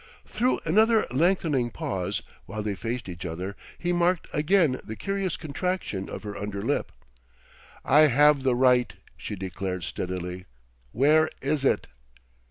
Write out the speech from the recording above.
Through another lengthening pause, while they faced each other, he marked again the curious contraction of her under lip. "I have the right," she declared steadily. "Where is it?"